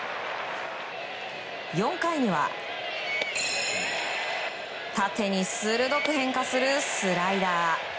４回には縦に鋭く変化するスライダー。